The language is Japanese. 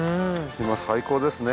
今最高ですね。